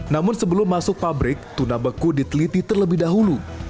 namun sebelum masuk pabrik tuna beku diteliti terlebih dahulu